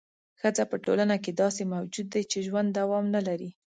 ښځه په ټولنه کې داسې موجود دی چې ژوند دوام نه لري.